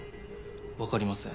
わかりません。